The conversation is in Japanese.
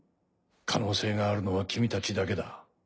可能性があるのは君たちだけだ。